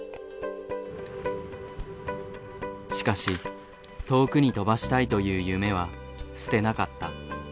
しかし「遠くに飛ばしたい」という夢は捨てなかった。